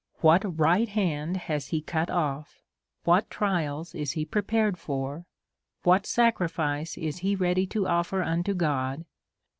what right hand has he cut off? what trials is he prepared for? what sacrifice is he ready to offer unto God